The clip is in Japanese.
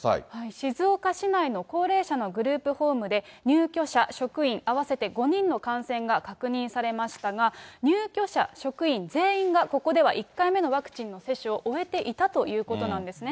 静岡市内の高齢者のグループホームで、入居者、職員合わせて５人の感染が確認されましたが、入居者、職員全員がここでは１回目のワクチンの接種を終えていたということなんですね。